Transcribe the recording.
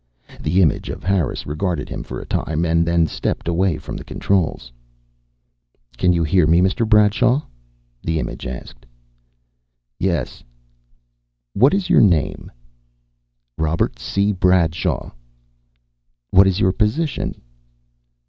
The image of Harris regarded him for a time and then stepped away from the controls. "Can you hear me, Mr. Bradshaw?" the image asked. "Yes." "What is your name?" "Robert C. Bradshaw." "What is your position?"